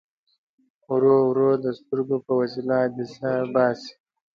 ورو ورو د سترګو په وسیله عدسیه باسي.